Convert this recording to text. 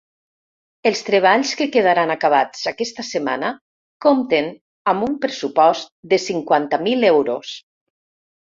Els treballs, que quedaran acabats aquesta setmana, compten amb un pressupost de cinquanta mil euros.